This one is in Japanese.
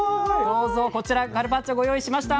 どうぞこちらカルパッチョご用意しました。